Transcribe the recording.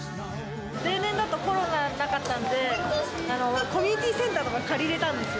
例年だと、コロナがなかったんで、コミュニティーセンターとか借りれたんですよ。